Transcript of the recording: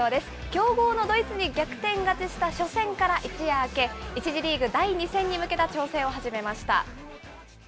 強豪のドイツに逆転勝ちした初戦から一夜明け、１次リーグ第２戦に向けた調整を始めました。